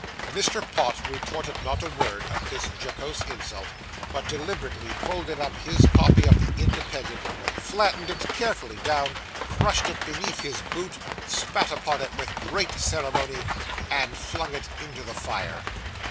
Mr. Pott retorted not a word at this jocose insult, but deliberately folded up his copy of the Independent, flattened it carefully down, crushed it beneath his boot, spat upon it with great ceremony, and flung it into the fire.